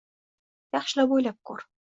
Yaxshilab o`ylab ko`r